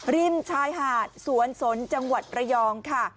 ริมชายหาดสวนสนจังหวัดระยองค่ะ